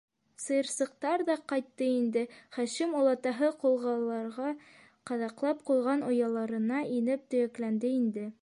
Сыйырсыҡтар ҙа ҡайтты инде, Хашим олатаһы ҡолғаларға ҡаҙаҡлап ҡуйған ояларына инеп төйәкләнде инде.